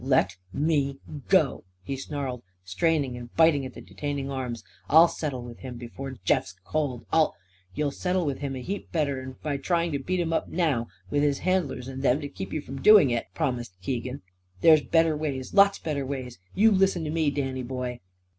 "Let me go!" he snarled, straining and biting at the detaining arms. "I'll settle with him before Jeff's cold! I'll " "You'll settle with him a heap better'n by trying to beat him up now, with his handlers and them to keep you from doing it," promised Keegan. "There's better ways. Lots better ways. You listen to me, Danny boy!"